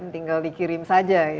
tinggal dikirim saja